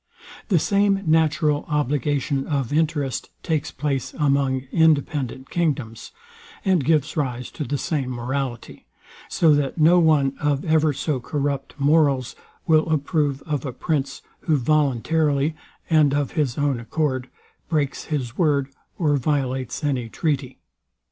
The same natural obligation of interest takes place among independent kingdoms, and gives rise to the same morality; so that no one of ever so corrupt morals will approve of a prince, who voluntarily, and of his own accord, breaks his word, or violates any treaty.